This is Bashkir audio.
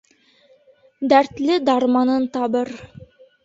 Дәртле дарманын табыр.